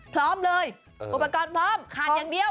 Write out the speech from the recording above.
พร้อมเลยอุปกรณ์พร้อมขาดอย่างเดียว